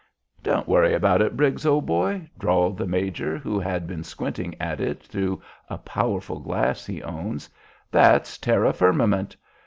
"'Don't worry about it, Briggs, old boy,' drawled the major, who had been squinting at it through a powerful glass he owns. 'That's terra firmament.